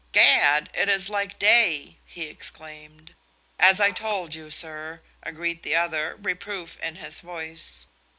"Gad, it is like day," he exclaimed. "As I told you, sir," agreed the other, reproof in his voice.